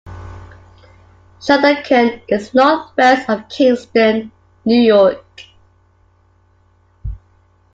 Shandaken is northwest of Kingston, New York.